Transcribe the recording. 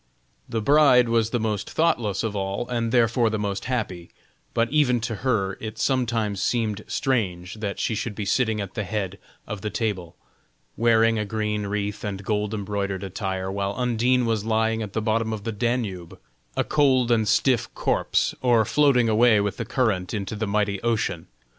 The bride was the most thoughtless of all, and therefore the most happy; but even to her it sometimes seemed strange that she should be sitting at the head of the table, wearing a green wreath and gold embroidered attire, while Undine was lying at the bottom of the Danube, a cold and stiff corpse, or floating away with the current into the mighty ocean.